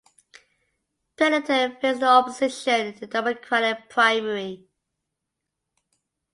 Pendleton faced no opposition in the Democratic primary.